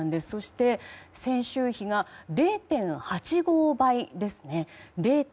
そして先週比が０．８５倍ですね。